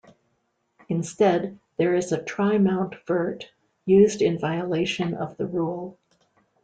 Instead, there is a trimount vert used in violation of the rule.